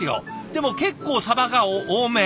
でも結構サバが多め。